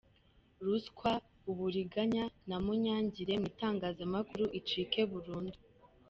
Ruswa, uburiganya na munyangire mu itangazamakuru icike burundu.